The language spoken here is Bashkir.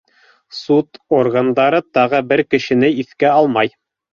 Суд органдары тағы бер кешене иҫкә алмай.